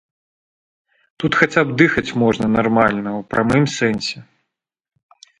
Тут хаця б дыхаць можна нармальна ў прамым сэнсе.